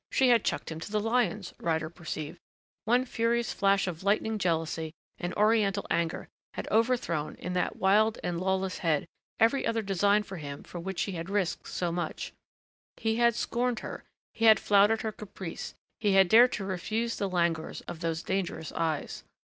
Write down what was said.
She had chucked him to the lions, Ryder perceived; one furious flash of lightning jealousy and Oriental anger had overthrown, in that wild and lawless head, every other design for him for which she had risked so much. He had scorned her.... He had flouted her caprice.... He had dared to refuse the languors of those dangerous eyes....